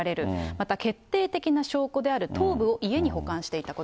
また決定的な証拠である頭部を家に保管していたこと。